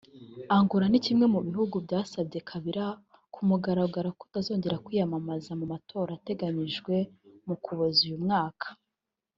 Angola ni kimwe mu bihugu byasabye Kabila ku mugaragaro kutongera kwiyamamaza mu matora ateganyijwe mu Ukuboza uyu mwaka